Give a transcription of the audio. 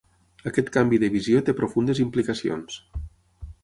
Aquest canvi de visió té profundes implicacions.